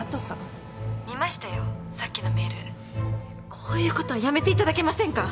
こういうことはやめていただけませんか？